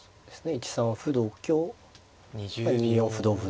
１三歩同香２四歩同歩